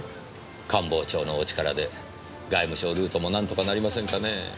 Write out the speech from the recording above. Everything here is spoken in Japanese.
官房長のお力で外務省ルートもなんとかなりませんかね？